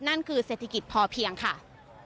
นั่นคือเศรษฐกิจพอเพียงค่ะ